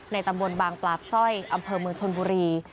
ตำบลบางปลาบสร้อยอำเภอเมืองชนบุรี